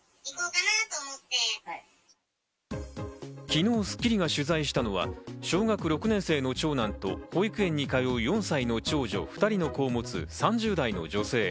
昨日『スッキリ』が取材したのは小学６年生の長男と保育園に通う４歳の長女、２人の子を持つ３０代の女性。